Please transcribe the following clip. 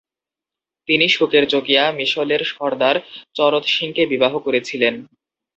তিনি সুকেরচকিয়া মিসলের সর্দার চরত সিংকে বিবাহ করেছিলেন।